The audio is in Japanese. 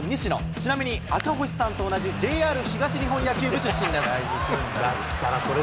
ちなみに赤星さんと同じＪＲ東日本野球部出身です。